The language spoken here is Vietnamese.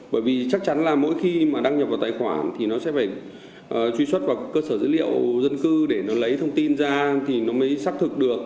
bởi vì chắc chắn là mỗi khi mà đăng nhập vào tài khoản thì nó sẽ phải truy xuất vào cơ sở dữ liệu dân cư để nó lấy thông tin ra thì nó mới xác thực được